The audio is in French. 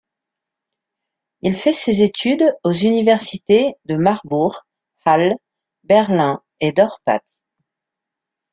Il fait ses études aux universités de Marbourg, Halle, Berlin et Dorpat.